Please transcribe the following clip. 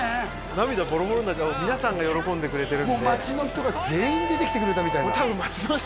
涙ぼろぼろになっちゃう皆さんが喜んでくれてるんでもう町の人が全員出てきてくれたみたいな多分町の人